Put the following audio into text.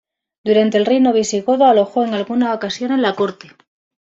Durante el reino visigodo alojó en algunas ocasiones la corte.